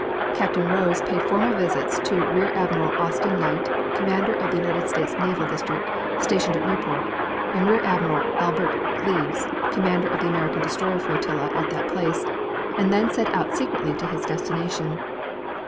Captain Rose paid formal visits to Rear Admiral Austin Knight, Commander of the United States Second Naval District, stationed at Newport, and Rear Admiral Albert Gleaves, Commander of the American destroyer flotilla at that place, and then set out secretly to his destination.